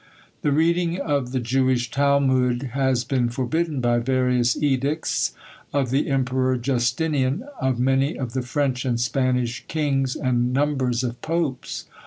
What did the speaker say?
The reading of the Jewish Talmud has been forbidden by various edicts, of the Emperor Justinian, of many of the French and Spanish kings, and numbers of Popes.